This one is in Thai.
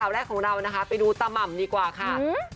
ข่าวแรกของเรานะฮะไปดูตาม่ำนี่กว่าค่ะฮึ